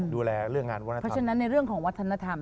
ดูแลเรื่องงานวัฒนธรรม